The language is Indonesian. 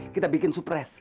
kita bikin supres